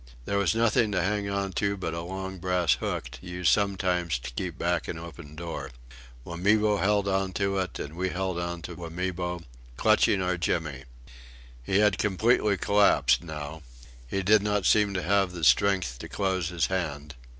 There was nothing to hang on to but a long brass hook used sometimes to keep back an open door. Wamibo held on to it and we held on to Wamibo, clutching our Jimmy. He had completely collapsed now. He did not seem to have the strength to close his hand.